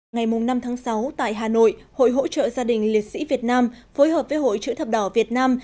ngày năm tháng sáu tại hà nội hội hỗ trợ gia đình liệt sĩ việt nam phối hợp với hội chữ thập đỏ việt nam